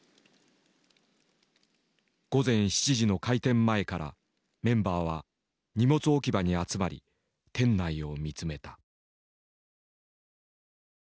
午前７時の開店前からメンバーは荷物置き場に集まり店内を見つめた。